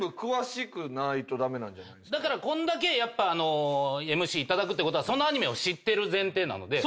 だからこんだけＭＣ頂くってことはそのアニメを知ってる前提なので。